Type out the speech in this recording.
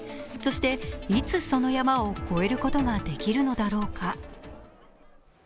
そして、いつその山を越えることができるのだろうか。